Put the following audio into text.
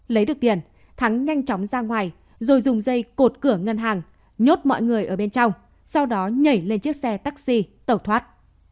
lấy được tiền thắng nhanh chóng ra ngoài rồi dùng dây cột cửa ngân hàng nhốt mọi người ở bên trong sau đó nhảy lên chiếc xe taxi tẩu thoát